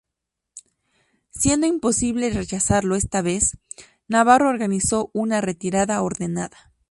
Siendo imposible rechazarlo esta vez, Navarro organizó una retirada ordenada.